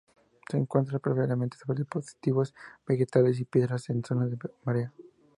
Se encuentra preferentemente sobre depósitos vegetales o piedras en zonas de marea.